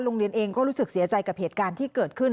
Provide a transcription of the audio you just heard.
โรงเรียนเองก็รู้สึกเสียใจกับเหตุการณ์ที่เกิดขึ้น